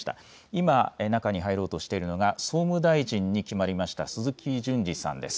今、中に入ろうとしているのが総務大臣に決まりました鈴木淳司さんです。